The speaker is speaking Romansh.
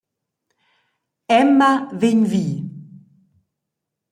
Emma vegn vi.